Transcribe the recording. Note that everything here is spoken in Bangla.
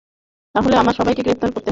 তাহলে আমার সবাইকে গ্রেফতার করতে হবে।